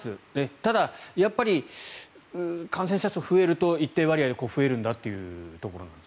ただ、やっぱり感染者数が増えると一定割合で増えるんだろうところなんです。